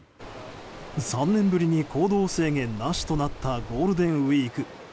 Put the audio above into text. ３年ぶりに行動制限なしとなったゴールデンウィーク。